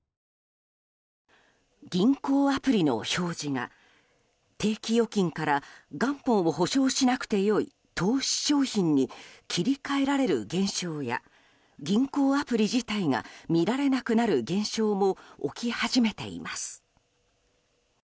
銀行アプリの表示が定期預金から元本を保証しなくてよい投資商品に切り替えられる現象や銀行アプリ自体が見られなくなる現象も起き始めています。